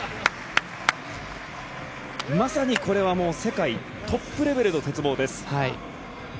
まさにこれは世界トップレベルの鉄棒です。